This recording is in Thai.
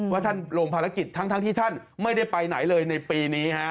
ว่าท่านลงภารกิจทั้งที่ท่านไม่ได้ไปไหนเลยในปีนี้ฮะ